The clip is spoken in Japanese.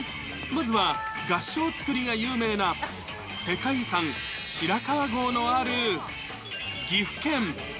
まずは合掌造りが有名な世界遺産、白川郷のある岐阜県。